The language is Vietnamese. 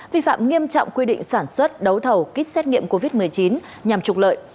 vi phạm nghiêm trọng quy định sản xuất đấu thầu kích xét nghiệm covid một mươi chín nhằm trục lợi